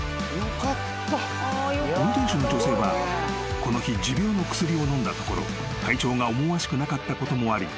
［運転手の女性はこの日持病の薬を飲んだところ体調が思わしくなかったこともあり